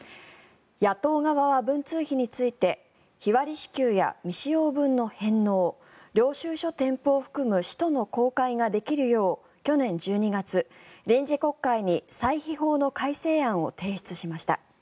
野党側は文通費について日割り支給や未使用分の返納領収書添付を含む使途の公開ができるよう去年１２月、臨時国会に歳費法の改正案を提出しました。